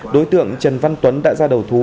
đối tượng trần văn tuấn đã ra đầu thú